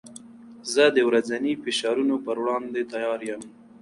زه د ورځني فشارونو پر وړاندې تیار یم.